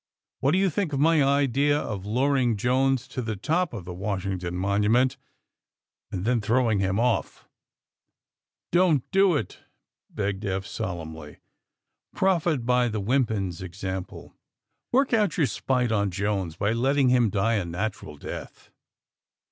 W^hat do you think of my idea of luring Jones to the top of the Washington Monument, and then throw ing him oif?" *' Don't do it," begged Eph solemnly. Profit by the Wimpins example. Work out your spite on Jones by letting him die a natural death."